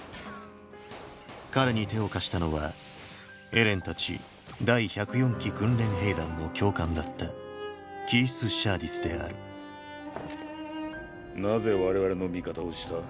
彼に手を貸したのはエレンたち第１０４期訓練兵団の教官だったキース・シャーディスであるなぜ我々の味方をした？